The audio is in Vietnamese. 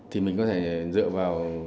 thì mình có thể dựa vào